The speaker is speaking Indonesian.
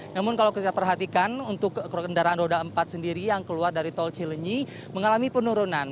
namun kalau kita perhatikan untuk kendaraan roda empat sendiri yang keluar dari tol cilenyi mengalami penurunan